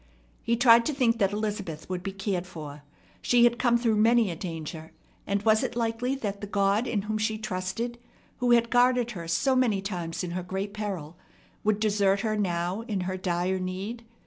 He tried to think that Elizabeth would be cared for. She had come through many a danger, and was it likely that the God in whom she trusted, who had guarded her so many times in her great peril, would desert her now in her dire need?